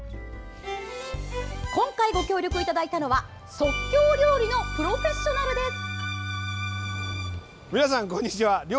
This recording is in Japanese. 今回ご協力いただいたのは即興料理のプロフェッショナルです。